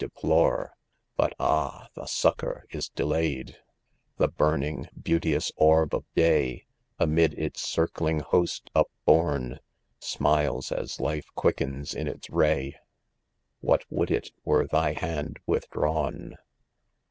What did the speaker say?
deplore, ""'""■ H f But ah ! thy succour is delayed ! £20 2D0MEN o The burning, beauteous orb of day^ Amid its circling host upborn^ Smiles, as life quickens in its ray— What would it, were thy hand withdrawn